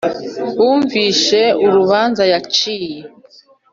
Bm bumvise urubanza yaciye